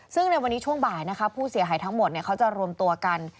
ซึ่งในวันนี้ช่วงบ่ายนะคะผู้เสียหายทั้งหมดเขาจะรวมตัวกัน